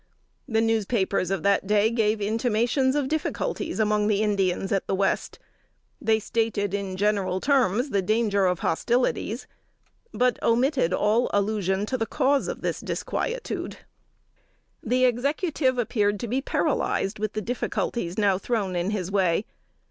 The newspapers of that day gave intimations of difficulties among the Indians at the West; they stated, in general terms, the danger of hostilities, but omitted all allusion to the cause of this disquietude. The Executive appeared to be paralyzed with the difficulties now thrown in his way.